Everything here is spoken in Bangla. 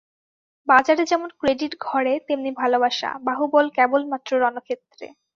বাজারে যেমন ক্রেডিট ঘরে তেমনি ভালোবাসা, বাহুবল কেবলমাত্র রণক্ষেত্রে।